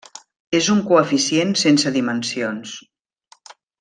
És un coeficient sense dimensions.